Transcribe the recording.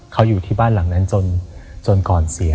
เขาอยู่ที่บ้านหลังนั้นจนก่อนเสีย